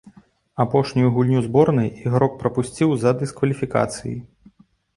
Апошнюю гульню зборнай ігрок прапусціў за дыскваліфікацыі.